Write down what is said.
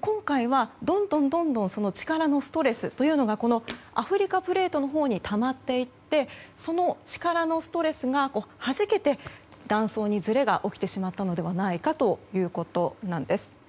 今回はどんどん力のストレスというのがこのアフリカプレートのほうにたまっていってその力のストレスがはじけて断層にずれが起きてしまったのではないかということです。